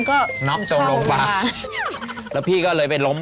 ขอลองขอลอง